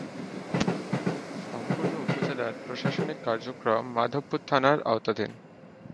সম্পূর্ণ উপজেলার প্রশাসনিক কার্যক্রম মাধবপুর থানার আওতাধীন।